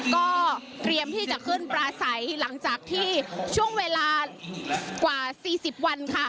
ก็เตรียมที่จะขึ้นปลาใสหลังจากที่ช่วงเวลากว่า๔๐วันค่ะ